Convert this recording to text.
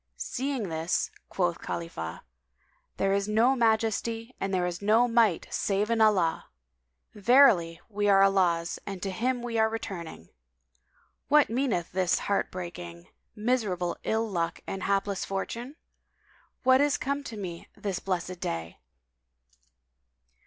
Seeing this quoth Khalifah, "There is no Majesty and there is no Might save in Allah! verily, we are Allah's and to Him we are returning! What meaneth this heart breaking, miserable ill luck and hapless fortune? What is come to me this blessed day?